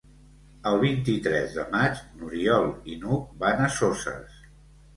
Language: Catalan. El vint-i-tres de maig n'Oriol i n'Hug van a Soses.